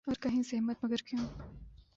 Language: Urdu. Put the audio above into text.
اور کہیں زحمت ، مگر کیوں ۔